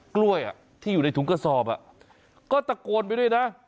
กล้วยที่อยู่ในถุงกระสอบก็ตะโกนไปด้วยนะ